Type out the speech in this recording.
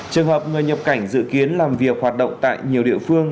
trường hợp người nhập cảnh dự kiến làm việc hoạt động tại nhiều địa phương